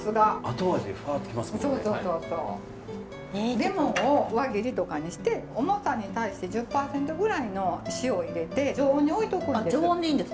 レモンを輪切りとかにして重さに対して１０％ぐらいの塩を入れて常温に置いとくんです。